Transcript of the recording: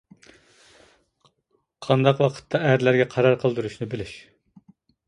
قانداق ۋاقىتتا ئەرلەرگە قارار قىلدۇرۇشنى بىلىش.